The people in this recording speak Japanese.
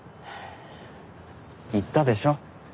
言ったでしょ。